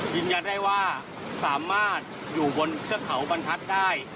ยืนยันได้ว่าสามารถอยู่บนเทือกเขาบรรทัศน์ได้